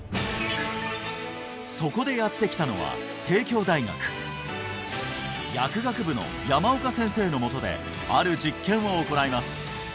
そこでやって来たのは帝京大学薬学部の山岡先生のもとである実験を行います